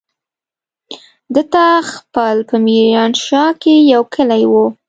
دته خېل په ميرانشاه کې يو کلی وو.